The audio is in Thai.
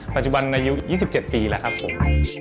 ปัจจุบันอายุ๒๗ปีแล้วครับผม